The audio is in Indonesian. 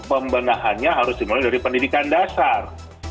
pembenahannya harus dimulai dari pendidikan dasar